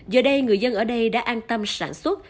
giờ đây người dân ở đây đã an tâm sản xuất